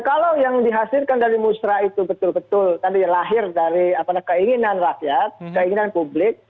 kalau yang dihasilkan dari musrah itu betul betul tadi lahir dari keinginan rakyat keinginan publik